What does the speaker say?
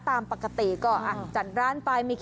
ถามหน่อย